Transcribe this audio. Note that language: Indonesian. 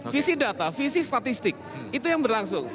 visi data visi statistik itu yang berlangsung